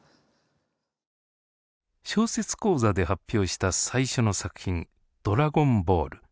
小説講座で発表した最初の作品「ドラゴンボール」。